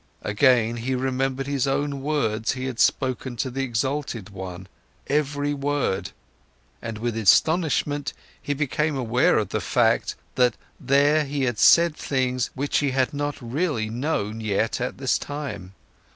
Again he remembered his own words, he had spoken to the exalted one, every word, and with astonishment he became aware of the fact that there he had said things which he had not really known yet at this time.